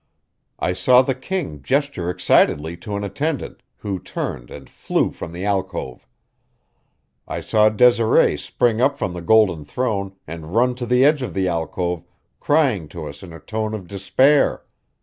I saw the king gesture excitedly to an attendant, who turned and flew from the alcove. I saw Desiree spring up from the golden throne and run to the edge of the alcove, crying to us in a tone of despair.